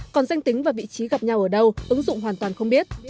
còn danh tính và vị trí gặp nhau ở đâu ứng dụng hoàn toàn không biết